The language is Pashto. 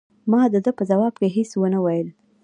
ما د ده په ځواب کې هیڅ ونه ویل.